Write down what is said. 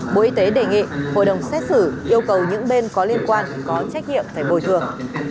bộ y tế đề nghị hội đồng xét xử yêu cầu những bên có liên quan có trách nhiệm phải bồi thường